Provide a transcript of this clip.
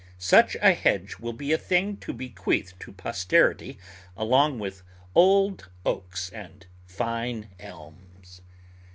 Such a hedge will be a thing to bequeath to posterity along with old oaks and fine elms.